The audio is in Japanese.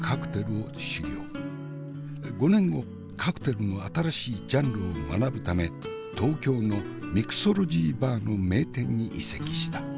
５年後カクテルの新しいジャンルを学ぶため東京のミクソロジーバーの名店に移籍した。